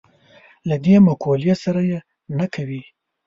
له دې مقولې سره یې نه کوي.